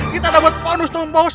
kita dapat bonus dong bos